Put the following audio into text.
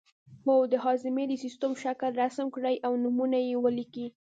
هو د هاضمې د سیستم شکل رسم کړئ او نومونه یې ولیکئ